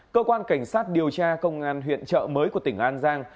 cơ quan cảnh sát điều tra công an huyện trợ mới của tỉnh an giang